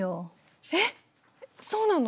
えっそうなの！？